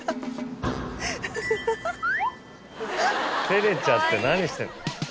照れちゃって何してるの。